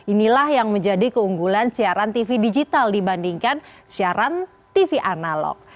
inilah yang menjadi keunggulan siaran tv digital dibandingkan siaran analog